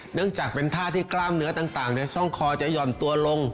เนื่องจากเป็นท่าที่กล้ามเนื้อต่างในช่องคอจะหย่อนตัวลง